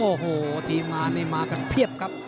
โอ้โหทีมงานนี่มากันเพียบครับ